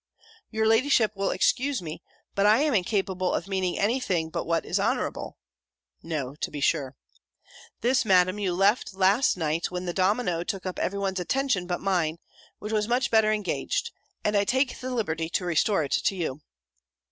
"Your ladyship will excuse me: but I am incapable of meaning any thing but what is honourable." (No, to be sure) "This, Madam, you left last night, when the domino took up every one's attention but mine, which was much better engaged; and I take the liberty to restore it to you."